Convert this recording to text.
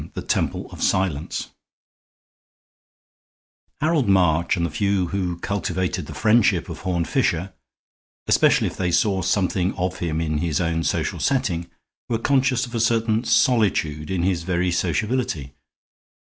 THE TEMPLE OF SILENCE Harold March and the few who cultivated the friendship of Horne Fisher, especially if they saw something of him in his own social setting, were conscious of a certain solitude in his very sociability.